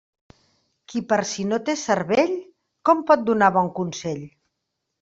Qui per si no té cervell, com pot donar bon consell?